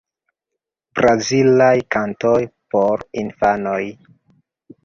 Brazilaj kantoj por infanoj.